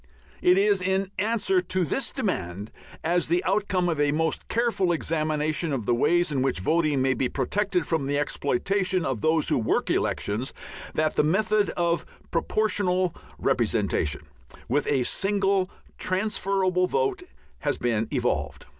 It is in answer to this demand, as the outcome of a most careful examination of the ways in which voting may be protected from the exploitation of those who work elections, that the method of Proportional Representation with a single transferable vote has been evolved.